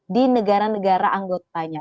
di negara negara anggotanya